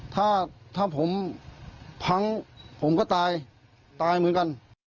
ถ้าถ้าผมพังผมก็ตายตายเหมือนกัน